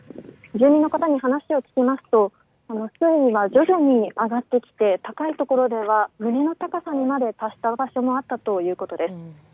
住民の方に話を聞きますと水位が徐々に上がってきて高いところでは胸の高さにまで達した場所もあったということです。